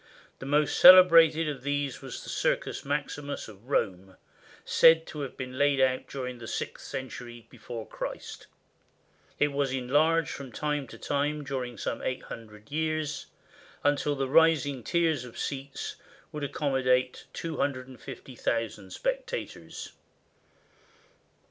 The most cele brated of these was the Circus Maximus of Rome, said to have been laid out during the sixth century before Christ. It was enlarged from time to time during some eight hundred years, until the rising tiers of seats would accommodate 250,000 spectators.